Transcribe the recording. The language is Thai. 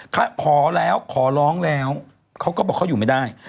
เขาขอแล้วขอร้องแล้วเขาก็บอกเขาอยู่ไม่ได้